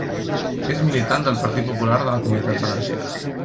És militant del Partit Popular de la Comunitat Valenciana.